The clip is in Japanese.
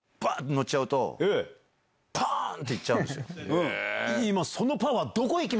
ノッちゃうとパン！っていっちゃうんですよ。